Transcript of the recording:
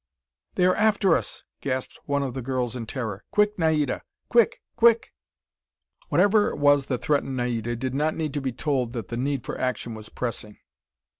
"They are after us!" gasped one of the girls in terror. "Quick, Naida! Quick! Quick!" Whatever it was that threatened, Naida did not need to be told that the need for action was pressing.